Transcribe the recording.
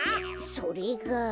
それが。